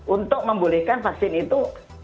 untuk membolehkan vaksin itu